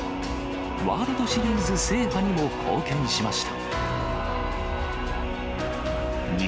ワールドシリーズ制覇にも貢献しました。